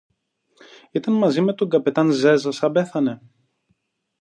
Ήταν μαζί με τον καπετάν-Ζέζα σαν πέθανε;